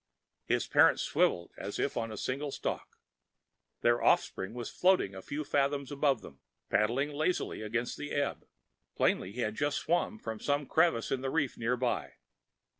His parents swiveled as if on a single stalk. Their offspring was floating a few fathoms above them, paddling lazily against the ebb; plainly he had just swum from some crevice in the reef nearby.